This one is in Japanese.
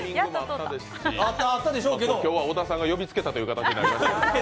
今日は小田さんが呼びつけたという形になります。